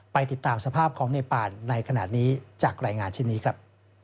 ไปติดตามสภาพของในป่านในขณะนี้จากรายงานเช่นนี้ครับ